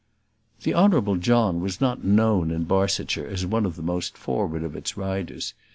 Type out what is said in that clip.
The Honourable John was not known in Barsetshire as one of the most forward of its riders.